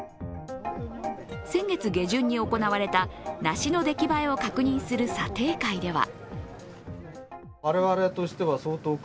先月下旬に行われた梨の出来栄えを確認する査定会では。